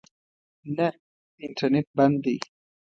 نه، انټرنېټ بند دی